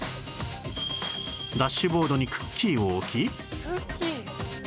ダッシュボードにクッキーを置き